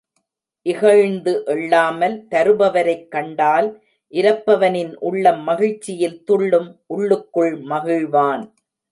இகழ்ந்து எள்ளாமல் தருபவரைக் கண்டால் இரப்பவனின் உள்ளம் மகிழ்ச்சியில் துள்ளும் உள்ளுக்குள் மகிழ்வான்.